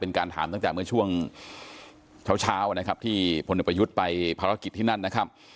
การถามตั้งแต่เมื่อช่วงเช้าเช้านะครับที่พลเอกประยุทธ์ไปภารกิจที่นั่นนะครับ